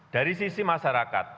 dari sisi masyarakat